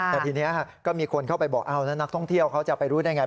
แต่ทีนี้ก็มีคนเข้าไปบอกแล้วนักท่องเที่ยวเขาจะไปรู้ได้ไง